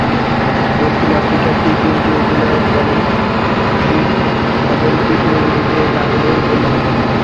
দক্ষিণ আফ্রিকার টি-টোয়েন্টি অধিনায়ক বলছেন, তাহির হবেন টি-টোয়েন্টিতে তাঁর মূল বোলার।